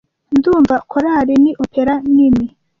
Ndumva korari, ni opera nini,